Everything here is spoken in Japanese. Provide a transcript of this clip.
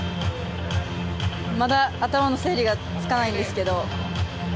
まだ頭の整理がつかないんですけど。